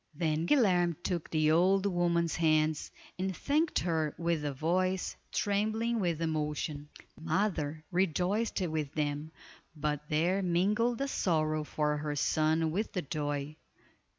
Then Guilerme took the old woman's hands and thanked her with a voice trembling with emotion. The mother rejoiced with them, but there mingled a sorrow for her son with the joy.